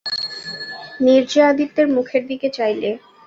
নীরজা আদিত্যের মুখের দিকে চাইলে।